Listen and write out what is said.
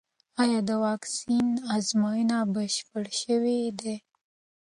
ایا د واکسین ازموینې بشپړې شوې دي؟